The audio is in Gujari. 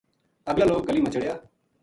اگلا لوک گلی ما چڑھیا